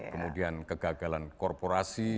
kemudian kegagalan korporasi